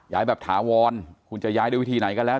แบบถาวรคุณจะย้ายด้วยวิธีไหนก็แล้ว